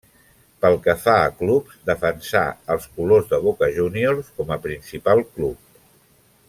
Pel que fa a clubs, defensà els colors de Boca Juniors com a principal club.